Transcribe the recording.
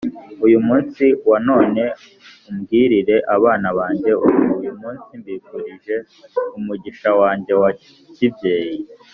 uyu munsi wa none umbwirire abana banjye uti uyu munsi mbifurije umugisha wanjye wa kibyeyi,